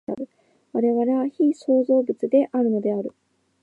我々は被創造物であるのである。